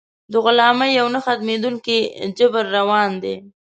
د غلامۍ یو نه ختمېدونکی جبر روان دی.